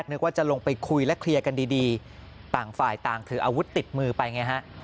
นึกว่าจะลงไปคุยและเคลียร์กันดีต่างฝ่ายต่างถืออาวุธติดมือไปไงฮะ